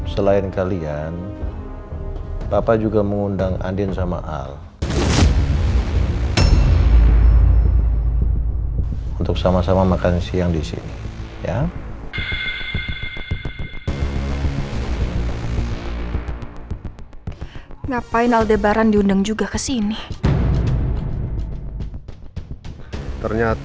sampai jumpa di video selanjutnya